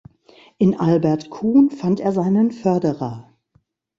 In Albert Kuhn fand er seinen Förderer.